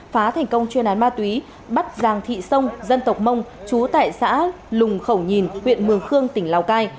phá thành công chuyên án ma túy bắt giàng thị sông dân tộc mông chú tại xã lùng khẩu nhìn huyện mường khương tỉnh lào cai